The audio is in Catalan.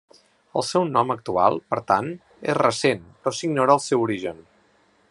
El seu nom actual, per tant, és recent però s'ignora el seu origen.